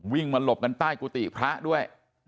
วิ่งมาหลบกันใต้กุฏิพระด้วย